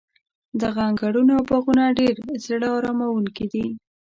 دغه انګړونه او باغونه ډېر زړه اراموونکي دي.